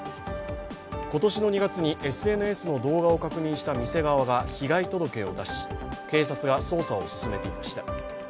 今年の２月にＳＮＳの動画を確認した店側が被害届を出し、警察が捜査を進めていました。